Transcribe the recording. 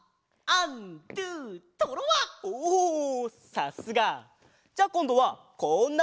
さすが！じゃあこんどはこんなポーズ！